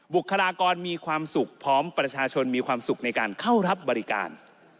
บุคลากรมีความสุขพร้อมประชาชนมีความสุขในการเข้ารับบริการ